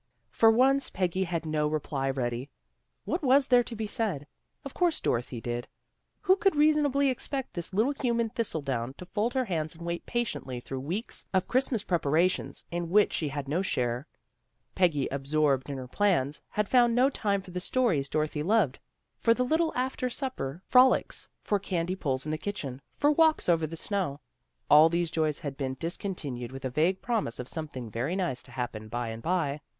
For once Peggy had no reply ready. What was there to be said? Of course Dorothy did. Who could reasonably expect this little human thistle down to fold her hands and wait patiently through weeks of Christmas preparations in which she had no share. Peggy, absorbed in her plans, had found no time for the stories Dorothy loved, for the little after supper 172 THE GIRLS OF FRIENDLY TERRACE frolics, for candy pulls in the kitchen, for walks over the snow. All these joys had been discon tinued with a vague promise of something very nice to happen by and by.